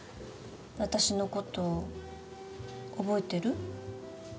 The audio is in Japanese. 私のこと覚えてる？